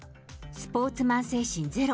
スポーツマン精神ゼロ。